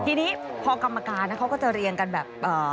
ทีนี้พอกรรมการเขาก็จะเรียงกันแบบ